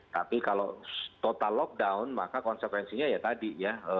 tapi kalau total lockdown maka konsekuensinya ya tadi ya